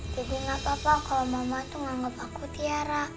jadi gak apa apa kalau mama itu menganggap aku tiara